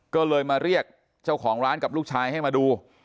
ก็เลยมาเรียกเจ้าของร้านกับลูกชายให้มาดู